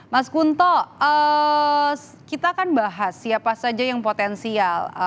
mas kunto kita akan bahas siapa saja yang potensial